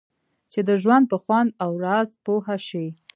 چې د ژوند په خوند او راز پوه شئ.